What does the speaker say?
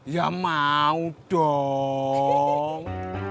ya mau dong